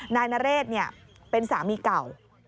นายนเรศเป็นสามีเก่า